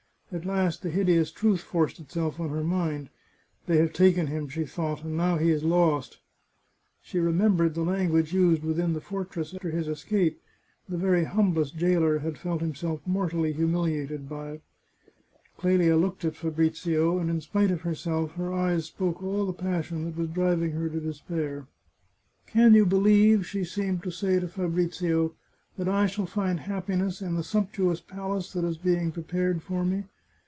At last the hideous truth forced itself on her mind. " They have taken him," she thought, " and now he is lost !" She remembered the language used within the fortress after his escape — t'e very humblest jailer had felt himself mortally humiliated by it. Cleli;. looked at Fabrizio, and in spite of herself, her eyes spoke all the pas sion that was driving her to despair. " Can you believe," she seemed to say to Fabrizio, " that I shall find happiness in the sumptuous palace that is being prepared for me